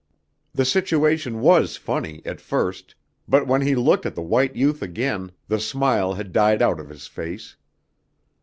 The situation was funny, at first; but when he looked at the white youth again the smile had died out of his face.